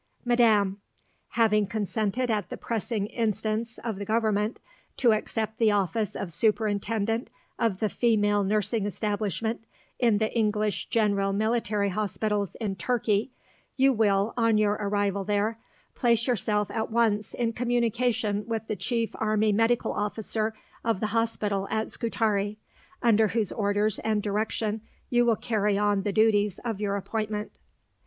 MADAM Having consented at the pressing instance of the Government to accept the office of Superintendent of the female nursing establishment in the English General Military Hospitals in Turkey, you will, on your arrival there, place yourself at once in communication with the Chief Army Medical Officer of the Hospital at Scutari, under whose orders and direction you will carry on the duties of your appointment.